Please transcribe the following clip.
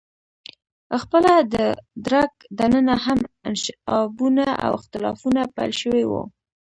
خپله د درګ دننه هم انشعابونه او اختلافونه پیل شوي وو.